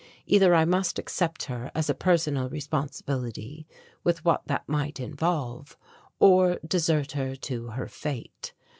Either I must accept her as a personal responsibility, with what that might involve, or desert her to her fate.